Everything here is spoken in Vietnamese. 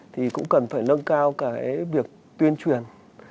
thì cũng cần phải nâng cao cái việc tuyên truyền